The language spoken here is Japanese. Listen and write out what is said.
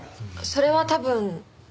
それは多分。